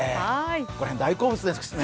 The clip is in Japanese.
これ、大好物ですね。